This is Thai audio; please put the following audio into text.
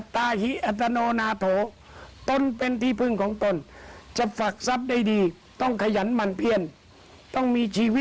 เวลามีเรื่องแบบนี้พระพยอมต้องออกมาเตือนสติอยู่บ่อย